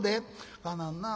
「かなんなあ。